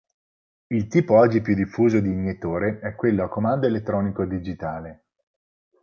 Il tipo oggi più diffuso di iniettore è quello a comando elettronico-digitale.